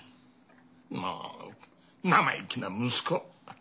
もう生意気な息子。